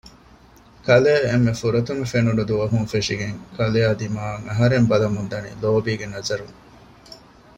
ކަލޭ އެންމެ ފުރަތަމަ ފެނުނު ދުވަހުން ފެށިގެން ކަލެއާ ދިމާއަށް އަހަރެން ބަލަމުންދަނީ ލޯބީގެ ނަޒަރުން